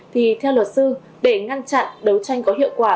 thì theo luật sư để ngăn chặn đấu tranh có hiệu quả